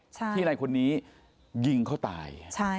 ที่ในคนนี้ยิงเขาตาย